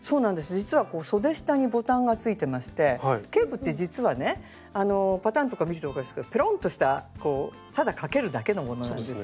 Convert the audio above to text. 実はそで下にボタンがついてましてケープって実はねパターンとか見ると分かるんですけどペロンとしたただ掛けるだけのものなんですよね。